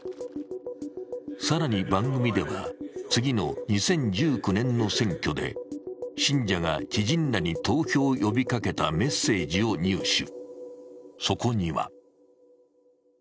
更に番組では、次の２０１９年の選挙で信者が知人らに投票を呼びかけたメッセージを入手。